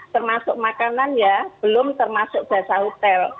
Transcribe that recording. termasuk makanan ya belum termasuk jasa hotel